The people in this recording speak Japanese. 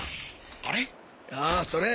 あれ？